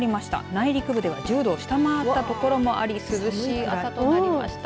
内陸部では１０度を下回った所もあり涼しくなりました。